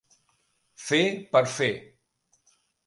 Fer per fer.